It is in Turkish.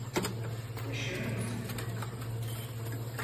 Yaşıyor musun?